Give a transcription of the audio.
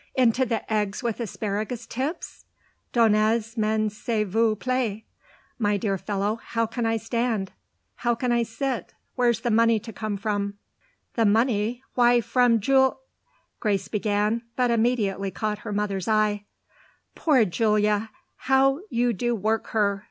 "Into the eggs with asparagus tips? Donnez m'en s'il vous plaît. My dear fellow, how can I stand? how can I sit? Where's the money to come from?" "The money? Why from Jul !" Grace began, but immediately caught her mother's eye. "Poor Julia, how you do work her!"